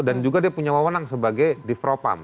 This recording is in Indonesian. dan juga dia punya wawonan sebagai difropam